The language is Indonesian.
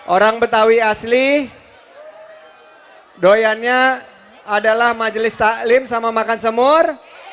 orang betawi asli doyannya adalah majelis taklim sama makan semur